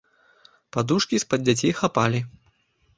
Падушкі з-пад дзяцей хапалі.